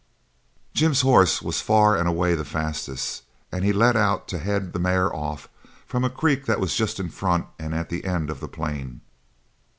Jim's horse was far and away the fastest, and he let out to head the mare off from a creek that was just in front and at the end of the plain.